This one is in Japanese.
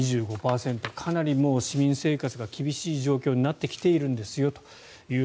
かなり市民生活が厳しい状態になってきているんですよと。